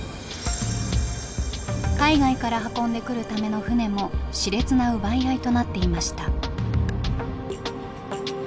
海外から運んでくるための船も熾烈な奪い合いとなっていました。